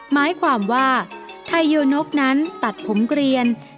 หมายความว่าไทยโยนกนั้นตัดผมเกลียน